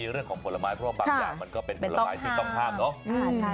เรื่องของผลไม้เพราะว่าบางอย่างมันก็เป็นผลไม้ที่ต้องห้ามเนาะ